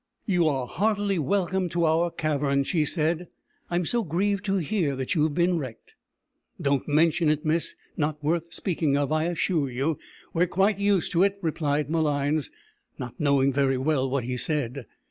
"You are heartily welcome to our cavern," she said. "I'm so grieved to hear that you have been wrecked." "Don't mention it, Miss. Not worth speaking of, I assure you; we're quite used to it," replied Malines, not knowing very well what he said.